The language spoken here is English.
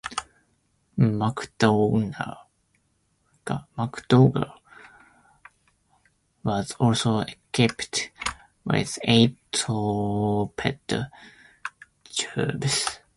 "McDougal" was also equipped with eight torpedo tubes.